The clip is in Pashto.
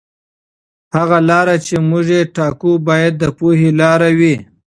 هغه لاره چې موږ یې ټاکو باید د پوهې لاره وي.